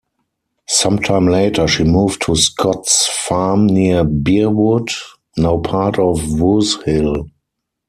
Some time later she moved to Scott's Farm near Bearwood, now part of Woosehill.